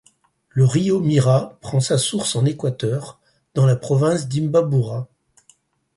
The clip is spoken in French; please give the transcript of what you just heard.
Le río Mira prend sa source en Équateur, dans la province d'Imbabura.